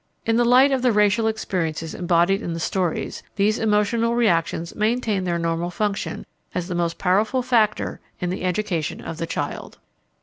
In the light of the racial experiences embodied in the stories, these emotional reactions maintain their normal function as the most powerful factor in the education of the child.